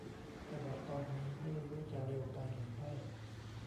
แต่บอกตอนนี้ไม่รู้จะเร็วไปหรือไม่